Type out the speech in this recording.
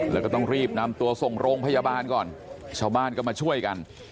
แล้วก็ต้องรีบนำตัวส่งโรงพยาบาลก่อนชาวบ้านก็มาช่วยกัน